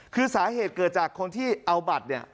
คือสาเหตุเกิดจากคนที่เอาบัตรเนี่ย